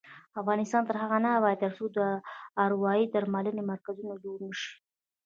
افغانستان تر هغو نه ابادیږي، ترڅو د اروايي درملنې مرکزونه جوړ نشي.